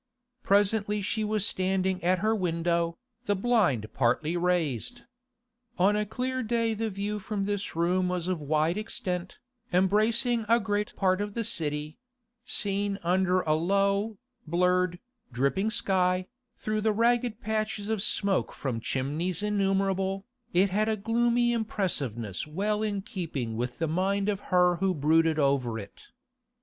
Presently she was standing at her window, the blind partly raised. On a clear day the view from this room was of wide extent, embracing a great part of the City; seen under a low, blurred, dripping sky, through the ragged patches of smoke from chimneys innumerable, it had a gloomy impressiveness well in keeping with the mind of her who brooded over it.